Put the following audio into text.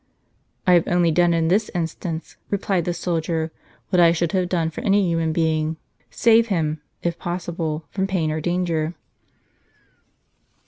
" I have only done in this instance," replied the soldier, "what I should have done for any human being, — save him, if possible, from pain or danger."